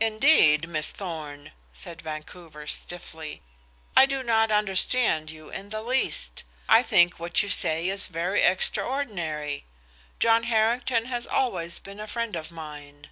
"Indeed, Miss Thorn," said Vancouver, stiffly, "I do not understand you in the least. I think what you say is very extraordinary. John Harrington has always been a friend of mine."